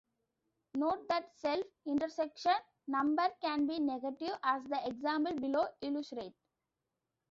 Note that self-intersection number can be negative, as the example below illustrates.